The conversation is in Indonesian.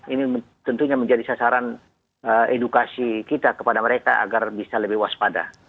ini tentunya menjadi sasaran edukasi kita kepada mereka agar bisa lebih waspada